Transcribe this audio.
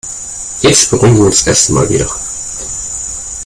Jetzt beruhigen wir uns erst mal wieder.